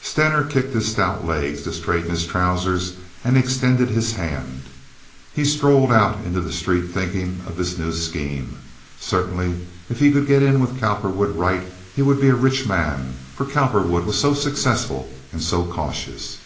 Stener kicked his stout legs to straighten his trousers, and extended his hand. He strolled out in the street thinking of this new scheme. Certainly, if he could get in with Cowperwood right he would be a rich man, for Cowperwood was so successful and so cautious.